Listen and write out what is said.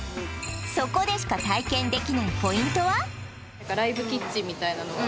そこでしか体験できないポイントは？